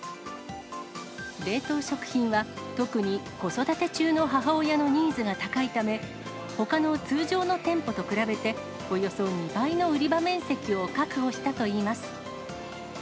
冷凍食品は、特に子育て中の母親のニーズが高いため、ほかの通常の店舗と比べて、およそ２倍の売り場面積を確保したといいます。